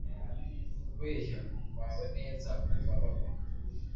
Kubehya kwawe neza, kuva bagwa